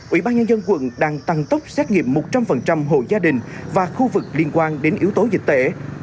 ủy ban nhân dân quận đang tăng tốc xét nghiệm một trăm linh hộ gia đình và khu vực liên quan đến yếu tố dịch tễ